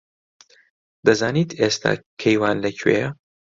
دەزانیت ئێستا کەیوان لەکوێیە؟